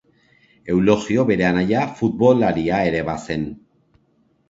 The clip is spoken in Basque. Eulogio bere anaia futbolaria ere bazen.